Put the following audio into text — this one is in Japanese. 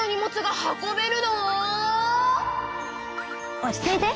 落ち着いて。